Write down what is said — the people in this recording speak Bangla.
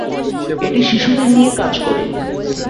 এটি শিশুদের নিয়ে কাজ করে।